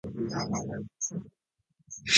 貴方は私の元からいなくなった。